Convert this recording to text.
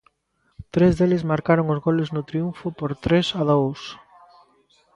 Tres deles marcaron os goles no triunfo por tres a dous.